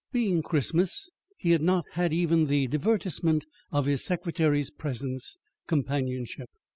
Being Christmas, he had not had even the divertisement of his secretary's presence companionship.